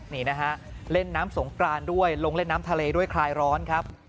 นี่นะฮะเล่นน้ำสงกรานด้วยลงเล่นน้ำทะเลด้วยคลายร้อนครับ